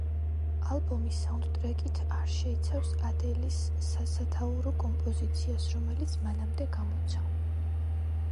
ალბომი საუნდტრეკით არ შეიცავს ადელის სასათაურო კომპოზიციას, რომელიც მანამდე გამოიცა.